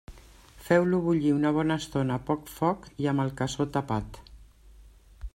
Feu-lo bullir una bona estona a poc foc i amb el cassó tapat.